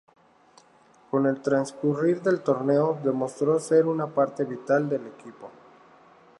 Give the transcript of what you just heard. Con el transcurrir del torneo, demostró ser una parte vital del equipo.